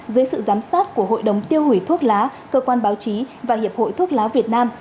dưới sự giám sát của hội đồng tiêu hủy thuốc lá cơ quan báo chí và hiệp hội thuốc lá việt nam